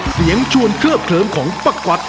เสียงชวนเคลือบเคลือมของปะกวัด